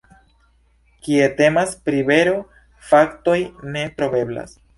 Kie temas pri vero, faktoj ne troveblas.